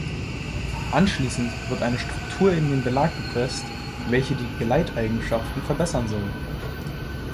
Anschließend wird eine Struktur in den Belag gepresst, welche die Gleiteigenschaften verbessern soll.